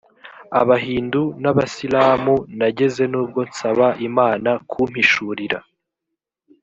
abahindu n abisilamu nageze nubwo nsaba imana kumpishurira